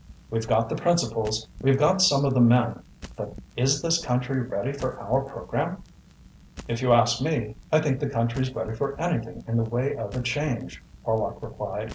We've got the principles, we've got some of the men, but is the country ready for our programme!" "If you ask me, I think the country's ready for anything in the way of a change," Horlock replied.